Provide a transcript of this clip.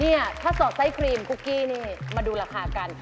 เนี่ยถ้าสอดไส้ครีมคุกกี้นี่มาดูราคากัน